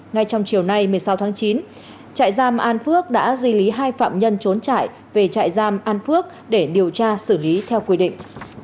ngay trong chiều nay một mươi sáu tháng chín trại giam an phước đã di lý hai phạm nhân trốn trại về trại giam an phước để điều tra xử lý theo quy định